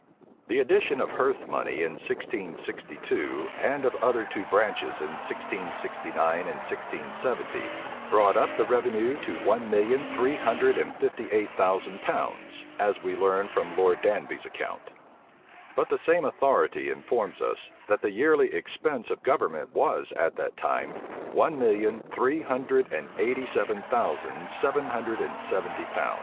The addition of hearth money in 1662, and of other two branches in 1669 and 1670, brought up the revenue to one million three hundred and fifty eight thousand pounds, as we learn from Lord Danby's account: but the same authority informs us, that the yearly expense of government was at that time one million three hundred and eighty seven thousand seven hundred and seventy pounds.